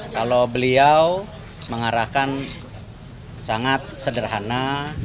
kalau beliau mengarahkan sangat sederhana